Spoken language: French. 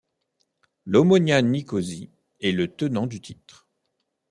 L'Omonia Nicosie est le tenant du titre.